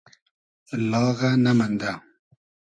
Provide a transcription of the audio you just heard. لاغۂ نئمئندۂ